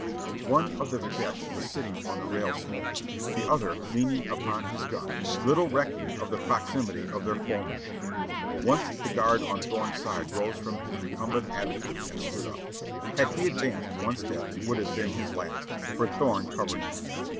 One of the videttes was sitting on the rail smoking, the other leaning upon his gun, little recking of the proximity of their foemen. Once the guard on Thome's side rose from his recumbent attitude and stood up; had he advanced one step it would have been his last, for Thorne covered him.